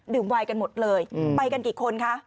ไวน์กันหมดเลยไปกันกี่คนคะ